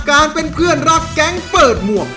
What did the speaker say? การเป็นเพื่อนรักแก๊งเปิดหมวก